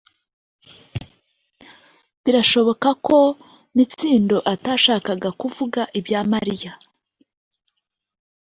Birashoboka ko Mitsindo atashakaga kuvuga ibya Mariya